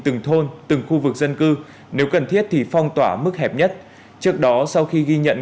từng thôn từng khu vực dân cư nếu cần thiết thì phong tỏa mức hẹp nhất trước đó sau khi ghi nhận